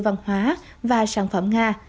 văn hóa và sản phẩm nga